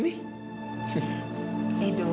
edo kok mama gak yakin ya